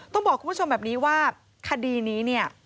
ต้องบอกคุณผู้ชมแบบนี้ว่าคดีนี้เนี่ย